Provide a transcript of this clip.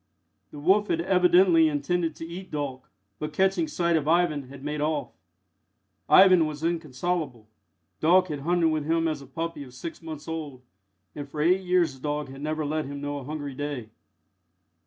The wolf had evidently intended to eat Dolk, but, catching sight of Ivan, had made off. Ivan was inconsolable. Dolk had hunted with him as a puppy of six months old, and for eight years the dog had never let him know a hungry day.